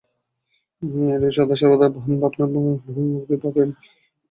এইরূপ সদা সর্বদা ভাবনার নামই ভক্তি বা প্রেম।